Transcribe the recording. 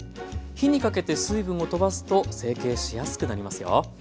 火にかけて水分をとばすと成形しやすくなりますよ。